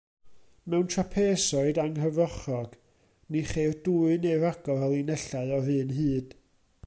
Mewn trapesoid anghyfochrog, ni cheir dwy neu ragor o linellau o'r un hyd.